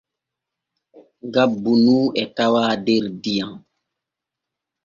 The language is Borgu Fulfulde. Gabbu nu e tawaa der diyam.